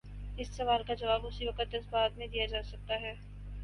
اس سوال کا جواب اسی وقت اثبات میں دیا جا سکتا ہے۔